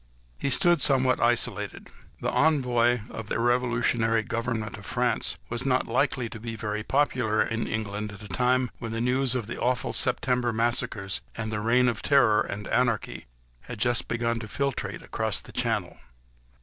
He stood somewhat isolated: the envoy of the Revolutionary Government of France was not likely to be very popular in England, at a time when the news of the awful September massacres, and of the Reign of Terror and Anarchy, had just begun to filtrate across the Channel.